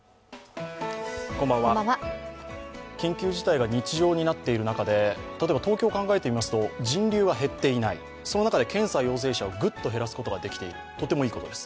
緊急事態が日常になっている中で例えば東京を考えてみますと人流は減っていない、その中で検査・陽性者をグッと減らすことができて、とてもいいことです。